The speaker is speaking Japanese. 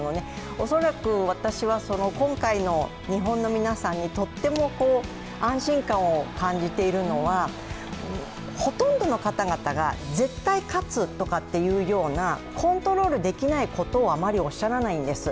おそらく私は今回の日本の皆さんにとっても安心感を感じているのはほとんどの方々が絶対勝つとかっていうようなコントロールできないことをあまりおっしゃらないんです。